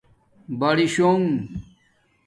برِی شونگ